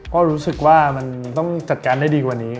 ก็รู้สึกว่ามันต้องจัดการได้ดีกว่านี้